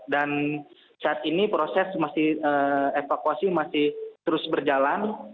dan saat ini proses evakuasi masih terus berjalan